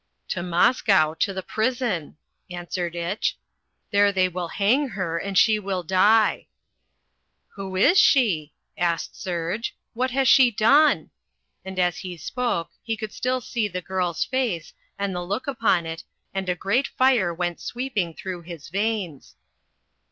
"To Moscow, to the prison," answered Itch. "There they will hang her and she will die." "Who is she?" asked Serge. "What has she done?" and as he spoke he could still see the girl's face, and the look upon it, and a great fire went sweeping through his veins.